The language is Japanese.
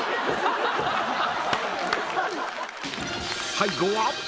［最後は］